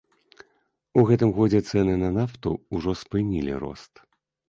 У гэтым годзе цэны на нафту ўжо спынілі рост.